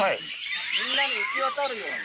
みんなに行き渡るように。